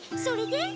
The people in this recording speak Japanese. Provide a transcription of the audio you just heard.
それで？